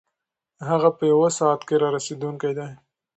هغه په یوه ساعت کې رارسېدونکی دی.